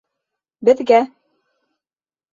Беҙгә!